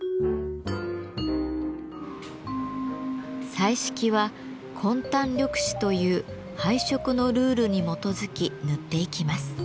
彩色は「紺丹緑紫」という配色のルールに基づき塗っていきます。